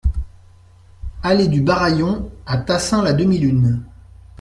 Allée du Baraillon à Tassin-la-Demi-Lune